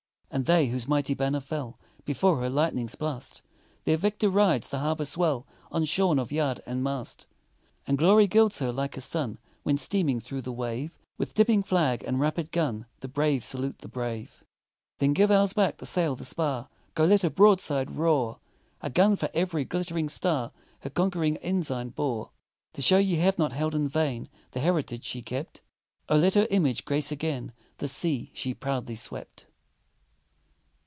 And they, whose mighty banner fell Before her lightning's blast, Their victor rides the harbor swell Unshorn of yard and mast; And Glory gilds her like a sun, When, steaming thro' the wave, With dipping flag and rapid gun, The brave salute the brave. Then give ours back, the sail, the spar Go let her broadside roar! A gun for every glit'ring star Her conquering ensign bore. To show ye have not held in vain The heritage she kept, Oh, let her image grace again The sea she proudly swept!